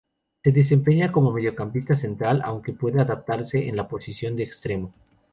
Se desempeña como mediocampista central, aunque puede adaptarse en la posición de extremo.